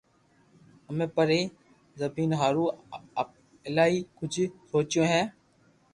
امي پري زبين ھارون ايلايو ڪجھ سوچيو ھي